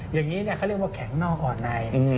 อย่างนี้เขาเรียกว่าแข็งนอกอ่อนใน